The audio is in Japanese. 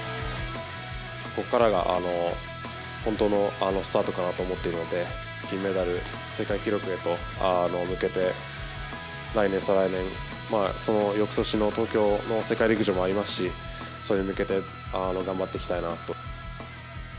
ここからが本当のスタートかなと思っているので、金メダル、世界記録へと向けて、来年、再来年、そのよくとしの東京の世界陸上もありますし、それに向けて頑張っ